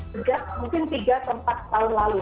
sejak mungkin tiga atau empat tahun lalu